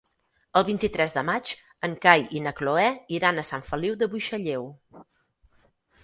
El vint-i-tres de maig en Cai i na Cloè iran a Sant Feliu de Buixalleu.